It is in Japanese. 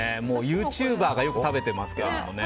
ユーチューバーがよく食べてますけどね。